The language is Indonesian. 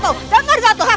aku pengen lihat